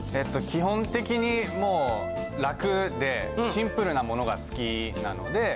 基本的にもう楽でシンプルなものが好きなので。